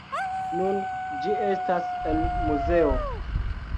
Nun ĝi estas en muzeo.